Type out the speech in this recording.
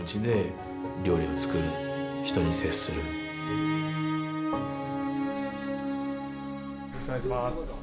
ほんとによろしくお願いします。